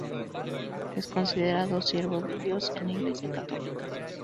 Es considerado siervo de Dios en la Iglesia católica.